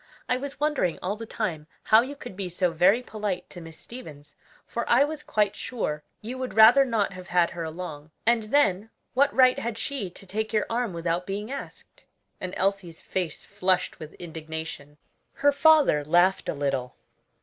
"I was wondering all the time how you could be so very polite to Miss Stevens; for I was quite sure you would rather not have had her along. And then, what right had she to take your arm without being asked?" and Elsie's face flushed with indignation. Her father laughed a little.